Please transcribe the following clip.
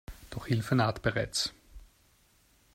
Doch Hilfe naht bereits.